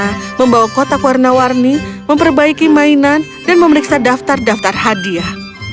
mereka membawa kotak warna warni memperbaiki mainan dan memeriksa daftar daftar hadiah